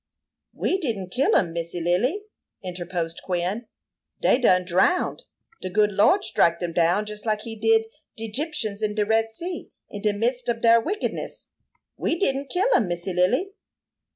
"We didn't kill 'em, Missy Lily," interposed Quin. "Dey done drownded. De good Lo'd strike 'em down jus like he did de 'Gyptians in de Red Sea, in de midst ob dar wickedness. We didn't kill 'em, Missy Lily."